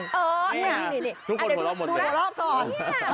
นี่อ่ะลูกคนหัวเราะหมดเลย